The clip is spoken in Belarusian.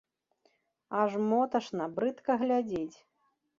Аж моташна, брыдка глядзець.